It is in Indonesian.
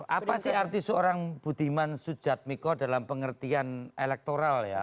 apa sih arti seorang budiman sujadmiko dalam pengertian elektoral ya